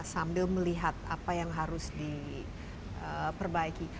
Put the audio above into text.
sambil melihat apa yang harus diperbaiki